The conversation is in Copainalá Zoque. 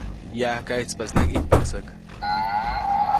Yaʼajka ʼejtspaʼtsinaʼajk ʼijtpaʼk säk.